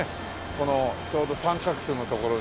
このちょうど三角州の所に。